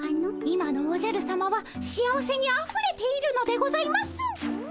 今のおじゃるさまは幸せにあふれているのでございます。